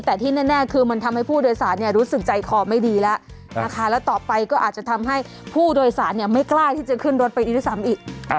แต่ที่แน่คือมันทำให้ผู้โดยสารรู้สึกใจคอไม่ดีแล้วนะคะแล้วต่อไปก็อาจจะทำให้ผู้โดยสารไม่กล้าที่จะขึ้นรถไปอีกด้วยซ้ำอีก